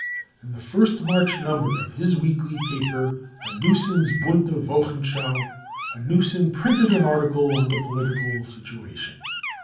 In the first March number of his weekly paper, Harms sens Bunie Wochensch.au , Hanussen printed an article on the political situation.